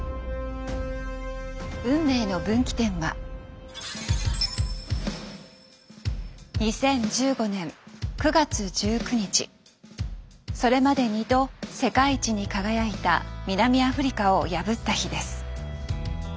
運命の分岐点はそれまで２度世界一に輝いた南アフリカを破った日です。